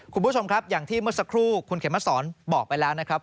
คุณผู้ชมครับอย่างที่เมื่อสักครู่คุณเข็มมาสอนบอกไปแล้วนะครับ